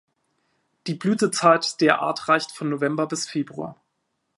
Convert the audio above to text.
Die Blütezeit der Art reicht von November bis Februar.